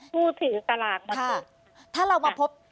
ผู้ถือสลากมาตรงนี้